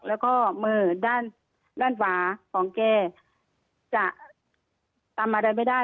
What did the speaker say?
แล้วก็มือด้านฝาของแกจะตามอะไรไม่ได้